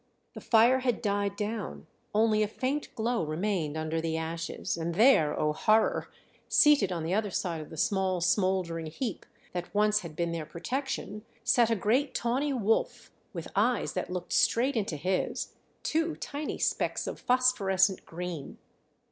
The fire had died down, only a faint glow remained under the ashes; and there, oh horror!... seated on the other side of the small smouldering heap that once had been their protection, sat a great tawny wolf with eyes that looked straight into his, two tiny specks of phosphorescent green.